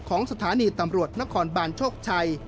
ของสถานีตำรวจนครบานโชคชัย